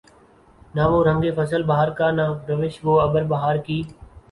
نہ وہ رنگ فصل بہار کا نہ روش وہ ابر بہار کی